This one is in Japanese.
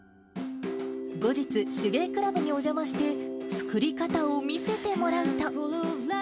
後日、手芸クラブにお邪魔して、作り方を見せてもらうと。